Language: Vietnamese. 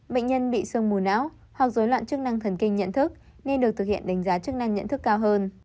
bệnh nhân bị sương mù não hoặc dối loạn chức năng thần kinh nhận thức nên được thực hiện đánh giá chức năng nhận thức cao hơn